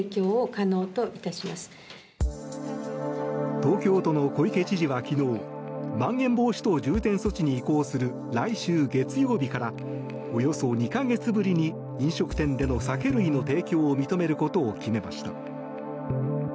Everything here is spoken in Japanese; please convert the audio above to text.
東京都の小池知事は昨日まん延防止等重点措置に移行する来週月曜日からおよそ２か月ぶりに飲食店での酒類の提供を認めることを決めました。